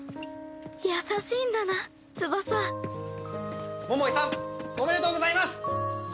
優しいんだな翼桃井さんおめでとうございます！